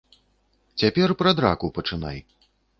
Цяпер пра драку пачынай.